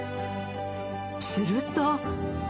すると。